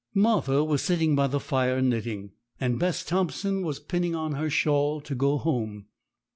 Martha was sitting by the fire knitting, and Bess Thompson was pinning on her shawl to go home.